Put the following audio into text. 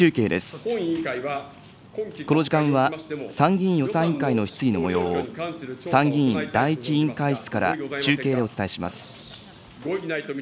この時間は参議院予算委員会の質疑のもようを、参議院第１委員会室から中継でお伝えします。